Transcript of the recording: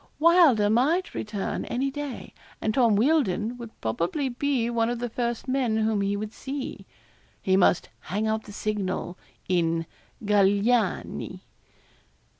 Wylder might return any day, and Tom Wealdon would probably be one of the first men whom he would see. He must 'hang out the signal' in 'Galignani.'